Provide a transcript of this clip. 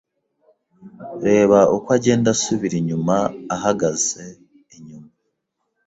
Reba uko agenda asubira inyuma ahagaze inyuma